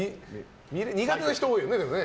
苦手な人多いよね。